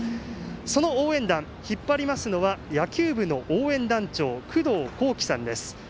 その応援団を引っ張りますのは野球部の応援団長工藤浩輝さんです。